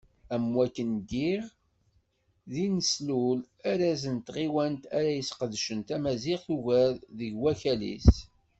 Am wakken diɣ, i d-neslul arraz n tɣiwant ara yesqedcen tamaziɣt ugar deg wakal-is.